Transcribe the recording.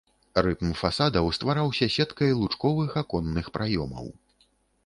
Рытм фасадаў ствараўся сеткай лучковых аконных праёмаў.